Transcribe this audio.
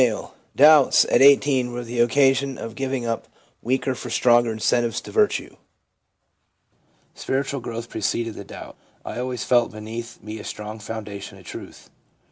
Doubts (at 18) were the occasion of giving up weaker for stronger incentives to virtue. Spiritual growth preceded the doubt. I always felt beneath me a strong foundation of truth/ F.